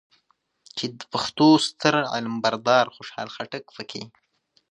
چې د پښتو ستر علم بردار خوشحال خټک پکې